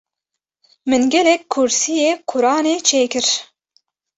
min gelek kursîyê Qur’anê çê kir.